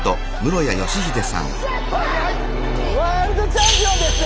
ワールドチャンピオンですね！